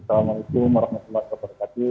assalamualaikum warahmatullahi wabarakatuh